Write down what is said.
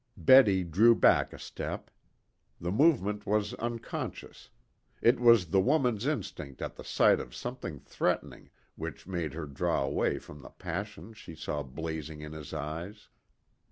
Betty drew back a step. The movement was unconscious. It was the woman's instinct at the sight of something threatening which made her draw away from the passion she saw blazing in his eyes.